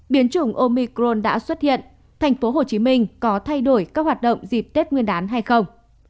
biến chủng omicron đã xuất hiện tp hcm có thay đổi các hoạt động dịp tết nguyên đán hay không